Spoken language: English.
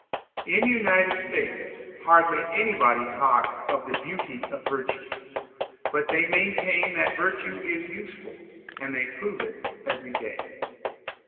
In the United States hardly anybody talks of the beauty of virtue; but they maintain that virtue is useful, and prove it every day.